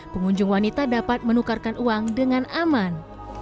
pengunjung wanita dapat menukarkan uang dengan aman